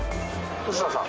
臼田さん？